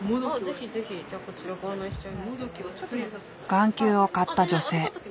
眼球を買った女性。